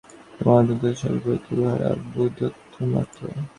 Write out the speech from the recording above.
তোমার অনন্ত স্বরূপের তুলনায় উহারা বুদ্বুদমাত্র।